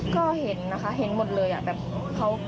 ก็เห็นนะคะเห็นหมดเลยอ่ะ